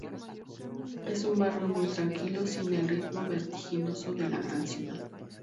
Es un barrio muy tranquilo sin el ritmo vertiginoso de la gran ciudad.